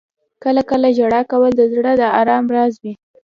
• کله کله ژړا کول د زړه د آرام راز وي.